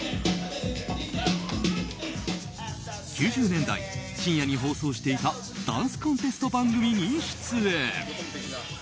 ９０年代、深夜に放送していたダンスコンテスト番組に出演。